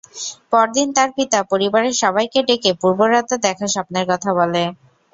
পরদিন তার পিতা পরিবারের সবাইকে ডেকে পূর্বরাতে দেখা স্বপ্নের কথা বলে।